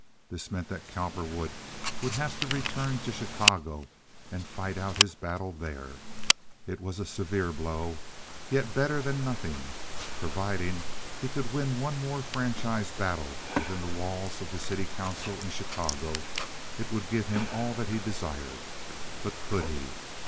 This meant that Cowperwood would have to return to Chicago and fight out his battle there. It was a severe blow, yet better than nothing. Providing that he could win one more franchise battle within the walls of the city council in Chicago, it would give him all that he desired. But could he?